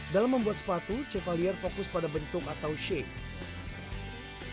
dalam membuat sepatu chevalier fokus pada bentuk atau shape